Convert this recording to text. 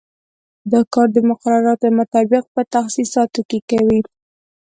دا کار د مقرراتو مطابق په تخصیصاتو کې کوي.